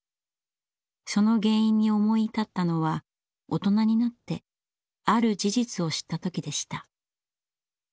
その原因に思い至ったのは大人になってある事実を知った時でした。